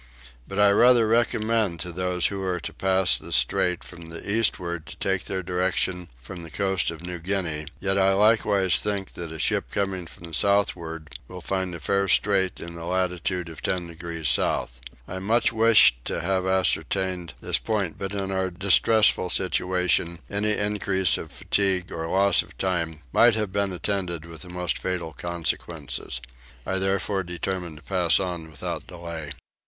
But I rather recommend to those who are to pass this strait from the eastward to take their direction from the coast of New Guinea: yet I likewise think that a ship coming from the southward will find a fair strait in the latitude of 10 degrees south. I much wished to have ascertained this point but in our distressful situation any increase of fatigue or loss of time might have been attended with the most fatal consequences. I therefore determined to pass on without delay.